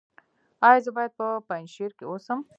ایا زه باید په پنجشیر کې اوسم؟